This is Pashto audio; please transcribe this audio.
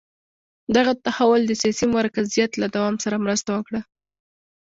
دغه تحول د سیاسي مرکزیت له دوام سره مرسته وکړه.